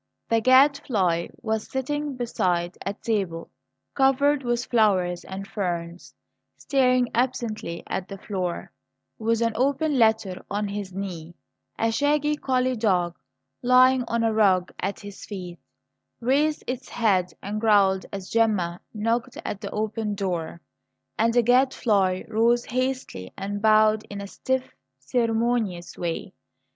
The Gadfly was sitting beside a table covered with flowers and ferns, staring absently at the floor, with an open letter on his knee. A shaggy collie dog, lying on a rug at his feet, raised its head and growled as Gemma knocked at the open door, and the Gadfly rose hastily and bowed in a stiff, ceremonious way.